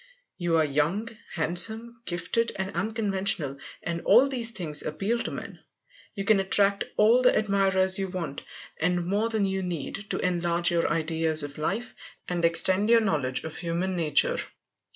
You are young, handsome, gifted, and unconventional, and all these things appeal to men. You can attract all the admirers you want, and more than you need, to enlarge your ideas of life, and extend your knowledge of human nature.